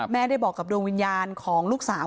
ได้บอกกับดวงวิญญาณของลูกสาว